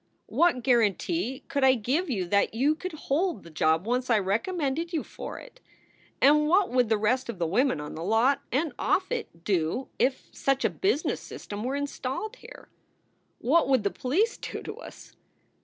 What guarantee could I give you that you could hold the job once I recommended you for it? And what would the rest of the women on the lot and off it do if such a business system were installed here ? What would the police do to us